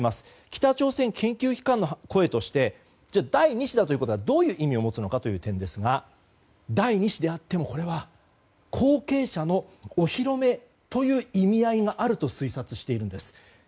北朝鮮研究機関の声として第２子だということがどういう意味を持つのかという点ですが第２子であってもこれは後継者のお披露目という意味合いがあると推察しているんです。